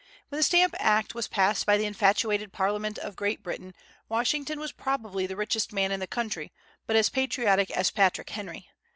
When the Stamp Act was passed by the infatuated Parliament of Great Britain, Washington was probably the richest man in the country, but as patriotic as Patrick Henry.